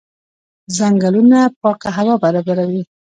ځنګلونه پاکه هوا برابروي.